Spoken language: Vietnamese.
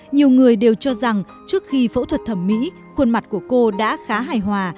nhiều người đều cho rằng trước khi phẫu thuật thẩm mỹ khuôn mặt của cô đã khá hài hòa